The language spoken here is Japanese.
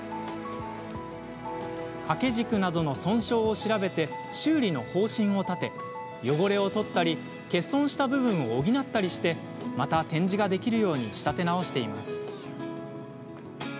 掛け軸などの損傷を調べて修理の方針を立て汚れを取ったり欠損した部分を補ったりしてまた展示できるように仕立て直しています。